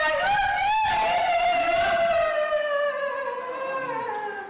อยากหมอปลาลงไป